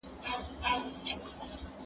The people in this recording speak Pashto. د کتابتون د کار مرسته وکړه؟